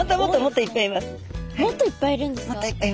もっといっぱいいるんですか？